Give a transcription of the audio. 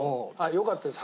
よかったです